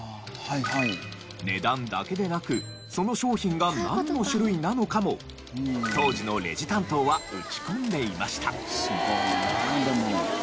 値段だけでなくその商品がなんの種類なのかも当時のレジ担当は打ち込んでいました。